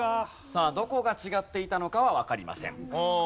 さあどこが違っていたのかはわかりません。